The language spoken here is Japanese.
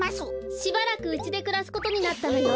しばらくうちでくらすことになったのよ。